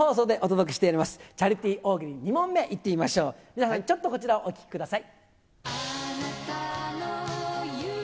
皆さん、ちょっとこちらをお聴きください。